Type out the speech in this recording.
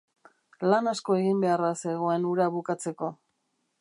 Lan asko egin beharra zegoen hura bukatzeko.